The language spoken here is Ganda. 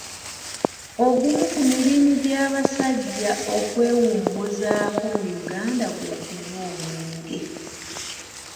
Ogumu ku mirimu gy'abasajja okwewummuzaako mu Uganda kwe kunywa omwenge.